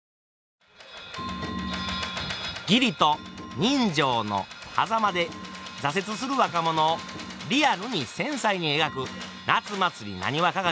義理と人情のはざまで挫折する若者をリアルに繊細に描く「夏祭浪花鑑」。